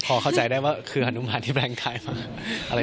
เปิดตัวก่อนอยู่แล้วครับ